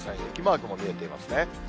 雪マークも見えていますね。